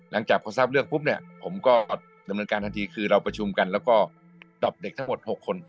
หลังจากพอทราบเรื่องปุ๊บเนี่ยผมก็ดำเนินการทันทีคือเราประชุมกันแล้วก็ดับเด็กทั้งหมด๖คน